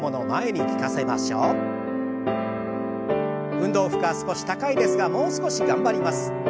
運動負荷少し高いですがもう少し頑張ります。